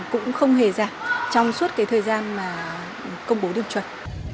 cũng không hề giảm trong suốt cái thời gian mà công bố điểm chuẩn